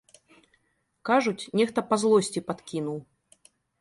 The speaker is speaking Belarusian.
Кажуць, нехта па злосці падкінуў.